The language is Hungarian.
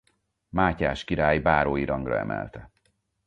Mátyás király bárói rangra emelte.